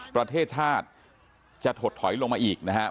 ประเทศชาติจะถดถอยลงมาอีกนะครับ